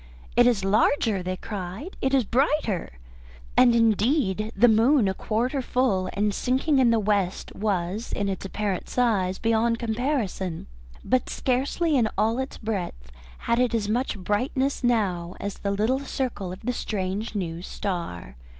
"It is larger," they cried. "It is brighter!" And indeed the moon, a quarter full and sinking in the west, was in its apparent size beyond comparison, but scarcely in all its breadth had it as much brightness now as the little circle of the strange new star.